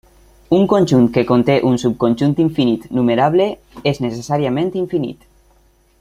Un conjunt que conté un subconjunt infinit numerable és necessàriament infinit.